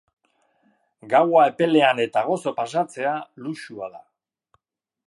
Gaua epelean eta gozo pasatzea luxua da.